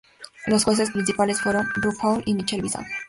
Los jueces principales fueron RuPaul y Michelle Visage.